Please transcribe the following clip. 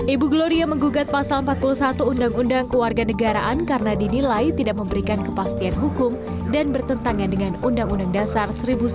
ibu gloria menggugat pasal empat puluh satu undang undang keluarga negaraan karena dinilai tidak memberikan kepastian hukum dan bertentangan dengan undang undang dasar seribu sembilan ratus empat puluh lima